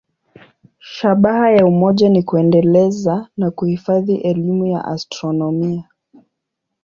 Shabaha ya umoja ni kuendeleza na kuhifadhi elimu ya astronomia.